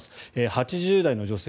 ８０代女性